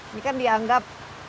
ini kan dianggap membawa keberuntungan